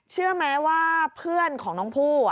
เชื่อไหมว่าเพื่อนของน้องผู้